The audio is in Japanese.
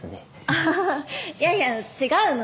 ああいやいや違うの。